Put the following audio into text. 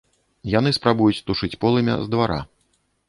Яны спрабуюць тушыць полымя з двара.